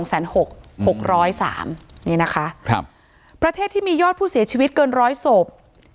๒๖๐๓รายนี่นะคะประเทศที่มียอดผู้เสียชีวิตเกิน๑๐๐ศพ